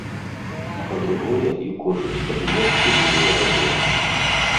А па-другое, і кошык спажывецкі будзе даражэць.